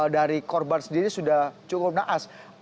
dari korban sendiri sudah cukup naas